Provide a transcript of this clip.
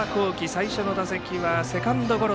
最初の打席はセカンドゴロ。